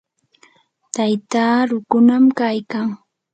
taytaa rukunam kaykan.